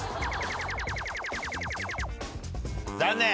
残念。